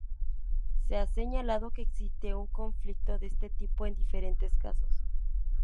Se ha señalado que existe un conflicto de este tipo en diferentes casos.